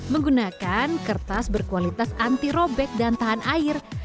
menggunakan kertas berkualitas anti robek dan tahan air